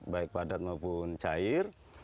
baik padat maupun cair